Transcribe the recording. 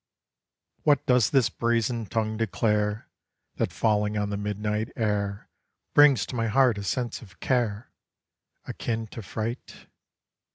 What does this brazen tongue declare, That falling on the midnight air Brings to my heart a sense of care Akin to fright?